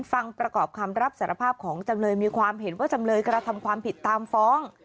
ฟังประกอบคำรับสารภาพของจำเลยมีความเห็นว่าจำเลยกระทำความผิดตามฟ้อง